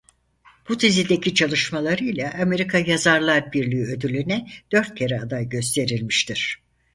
Bu dizideki çalışmalarıyla Amerika Yazarlar Birliği Ödülü'ne dört kere aday gösterilmiştir.